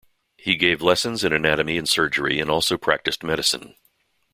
He gave lessons in anatomy and surgery and also practiced medicine.